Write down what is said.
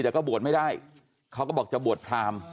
แต่ก็บวชไม่ได้เขาก็บอกจะบวชพราม